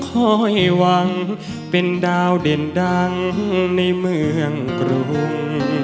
คอยหวังเป็นดาวเด่นดังในเมืองกรุง